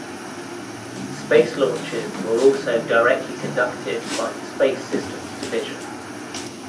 Space launches were also directly conducted by the Space Systems Division.